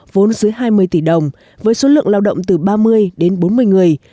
vốn dưới hai mươi tỷ đồng với số lượng lao động từ ba mươi đến bốn mươi người